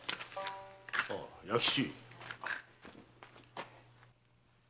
ああ弥吉。